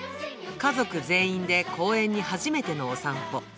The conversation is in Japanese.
家族全員で公園に初めてのお散歩。